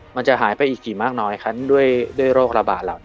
มันจะหายไปอีกกี่มากน้อยคะด้วยโรคระบาดเหล่านี้